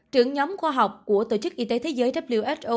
trưởng nhóm khoa học của tổ chức y tế thế giới who